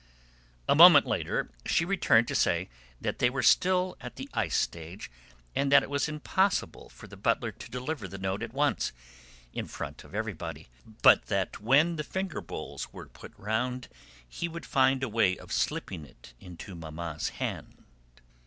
A moment later she returned to say that they were still at the ice stage and that it was impossible for the butler to deliver the note at once, in front of everybody; but that when the finger bowls were put round he would find a way of slipping it into Mamma's hand.